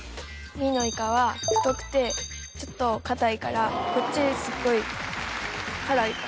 Ｂのイカは太くてちょっとかたいからこっちすっごい辛いから。